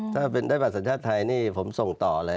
ถ้าเป็นได้บัตรสัญชาติไทยนี่ผมส่งต่อเลย